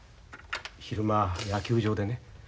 昼間野球場でね